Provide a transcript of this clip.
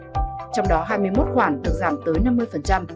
trong đó hai mươi một khoản được giảm tới năm mươi